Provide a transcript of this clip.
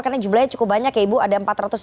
karena jumlahnya cukup banyak ya ibu ada empat ratus